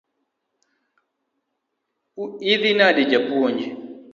Idhi nade japuonj?